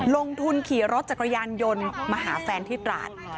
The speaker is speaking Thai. ลงทุนขี่รถจักรยานยนต์มาหาแฟนที่ตราด